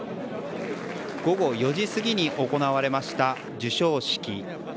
午後４時過ぎに行われました授賞式。